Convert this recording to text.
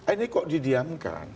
ini kok didiamkan